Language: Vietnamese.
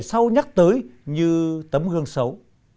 sau nhắc tới như tấm gương xấu